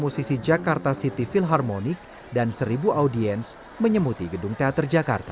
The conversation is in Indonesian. musisi jakarta city philharmonic dan seribu audiens menyemuti gedung teater jakarta